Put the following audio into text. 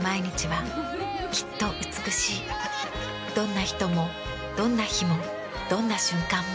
どんな人もどんな日もどんな瞬間も。